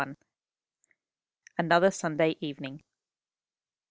ANOTHER SUNDAY EVENING.